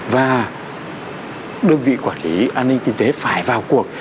và đơn vị quản lý an ninh kinh tế phải vào cuộc